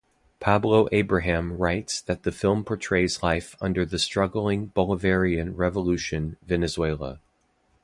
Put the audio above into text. Pablo Abraham writes that the film portrays life under the struggling Bolivarian Revolution Venezuela.